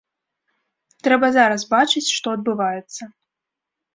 Трэба зараз бачыць, што адбываецца.